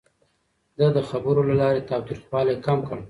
ده د خبرو له لارې تاوتريخوالی کم کړ.